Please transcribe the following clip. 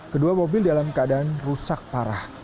kedua mobil dalam keadaan rusak parah